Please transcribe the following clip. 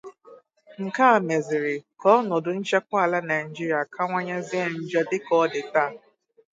nke mezịrị ka ọnọdụ nchekwa ala Nigeria kawanyezie njọ dịka ọ dị taa.